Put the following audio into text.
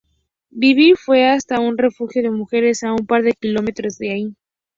Bibi fue hasta un refugio de mujeres a un par de kilómetros de ahí.